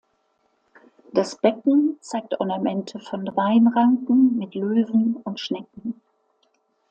Das Becken zeigt Ornamente von Weinranken mit Löwen und Schnecken.